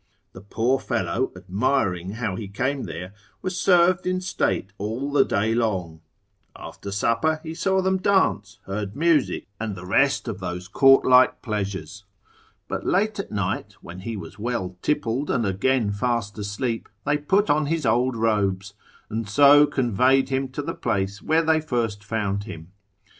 The poor fellow admiring how he came there, was served in state all the day long; after supper he saw them dance, heard music, and the rest of those court like pleasures: but late at night, when he was well tippled, and again fast asleep, they put on his old robes, and so conveyed him to the place where they first found him.